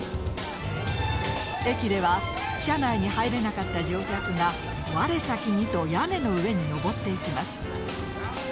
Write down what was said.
駅では車内に入れなかった乗客が我先にと屋根の上に登っていきます。